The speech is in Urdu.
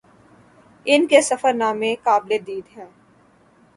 ان کے سفر نامے قابل دید ہیں